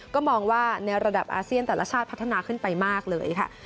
ก็มองว่าในระดับอาเซียนแต่ละชาติพัฒนาขึ้นไปมากเลยค่ะ